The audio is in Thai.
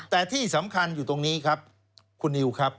แต่ที่สำคัญอยู่ตรงนี้ครับคุณนิวครับ